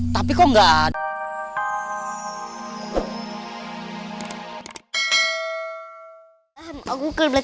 tapi kok gak ada